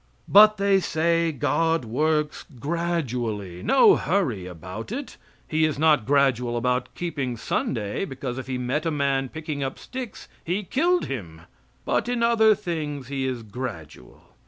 But, they say, God works gradually. No hurry about it. He is not gradual about keeping Sunday, because, if He met a man picking up sticks, He killed Him; but in other things He is gradual.